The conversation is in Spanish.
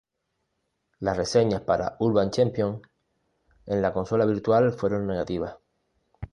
Las reseñas para "Urban Champion" en la Consola Virtual fueron negativas.